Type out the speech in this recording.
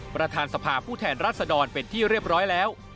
ประธานสภาผู้แทนรัศดรเป็นที่เรียบร้อยแล้ว